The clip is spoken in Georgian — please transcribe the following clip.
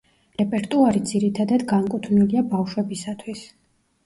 რეპერტუარი ძირითადად განკუთვნილია ბავშვებისათვის.